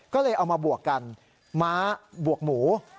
ก็เลยเอามาบวกกันม้าบวกหมู